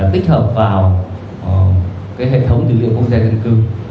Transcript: tích hợp vào hệ thống dữ liệu quốc gia dân cư